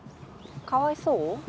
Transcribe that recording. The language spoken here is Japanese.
かわいそう？